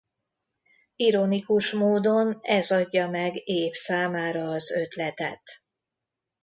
Ironikus módon ez adja meg Abe számára az ötletet.